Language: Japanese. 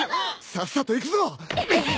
さっさと行くぞ！